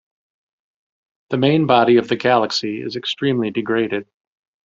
The main body of the galaxy is extremely degraded.